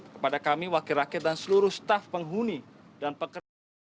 kepada kami wakil rakyat dan seluruh staf penghuni dan pekerja